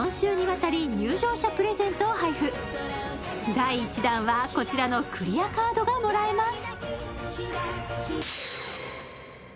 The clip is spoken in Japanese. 第１弾はこちらのクリアカードがもらえます。